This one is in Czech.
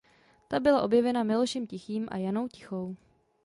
Ta byla objevena Milošem Tichým a Janou Tichou.